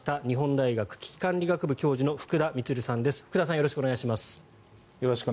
よろしくお願いします。